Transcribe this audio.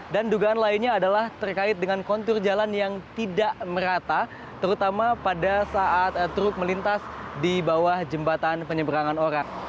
dan dugaan lainnya adalah terkait dengan kontur jalan yang tidak merata terutama pada saat truk melintas di bawah jembatan penyeberangan orang